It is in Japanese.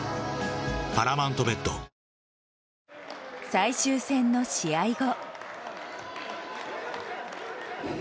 最終戦の試合後。